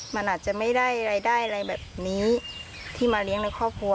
มันอาจจะไม่ได้รายได้อะไรแบบนี้ที่มาเลี้ยงในครอบครัว